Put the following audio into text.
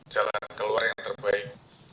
jalan keluar yang terbaik